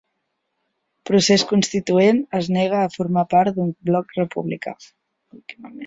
Procés Constituent es nega a formar part d'un bloc republicà